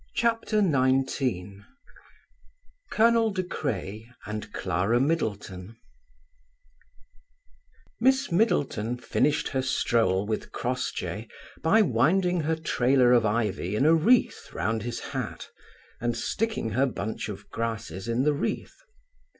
CHAPTER XIX COLONEL DE CRAYE AND CLARA MIDDLETON MISS MIDDLETON finished her stroll with Crossjay by winding her trailer of ivy in a wreath round his hat and sticking her bunch of grasses in the wreath.